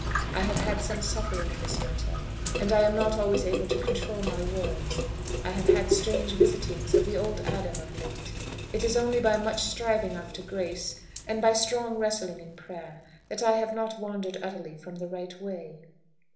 I have had some suffering in this matter, and am not always able to control my words. I have had strange visitings of the old Adam of late. It is only by much striving after grace, and by strong wrestling in prayer, that I have not wandered utterly from the right way."